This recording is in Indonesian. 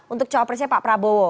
untuk cawapresnya pak prabowo